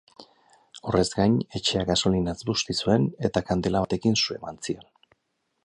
Horrez gain, etxea gasolinaz busti zuen eta kandela batekin su eman zion.